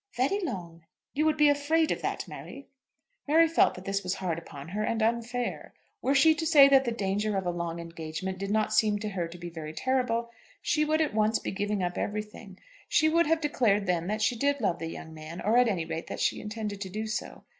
"Very long." "You would be afraid of that, Mary?" Mary felt that this was hard upon her, and unfair. Were she to say that the danger of a long engagement did not seem to her to be very terrible, she would at once be giving up everything. She would have declared then that she did love the young man; or, at any rate, that she intended to do so.